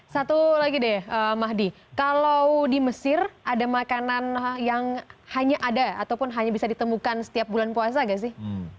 satu lagi deh mahdi kalau di mesir ada makanan yang hanya ada ataupun hanya bisa ditemukan setiap bulan puasa gak sih